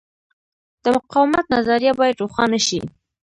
د مقاومت نظریه باید روښانه شي.